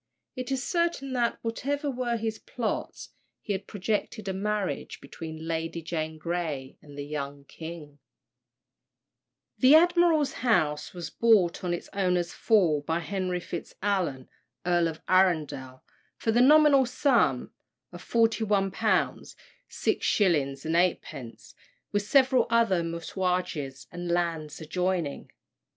It is certain that, whatever were his plots, he had projected a marriage between Lady Jane Grey and the young king. The admiral's house was bought, on its owner's fall, by Henry Fitz Alan, Earl of Arundel, for the nominal sum of £41: 6: 8, with several other messuages and lands adjoining.